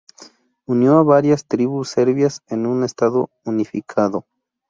Unió a varias tribus serbias en un estado unificado.